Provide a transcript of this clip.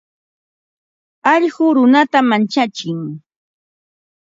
Alluqu runata manchatsin.